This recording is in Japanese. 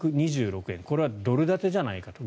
これはドル建てじゃないかと。